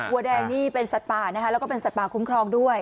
วัวแดงนี่เป็นสัตว์ป่านะคะแล้วก็เป็นสัตว์ป่าคุ้มครองด้วย